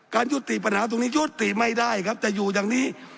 ยุติปัญหาตรงนี้ยุติไม่ได้ครับจะอยู่อย่างนี้